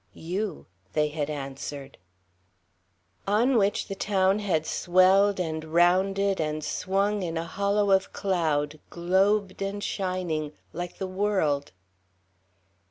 "You," they had answered. On which the town had swelled and rounded and swung in a hollow of cloud, globed and shining, like the world.